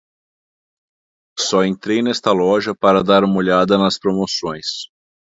Só entrei nesta loja para dar uma olhada nas promoções.